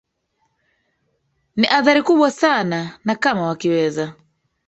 ni adhari kubwa sana na kama wakiweza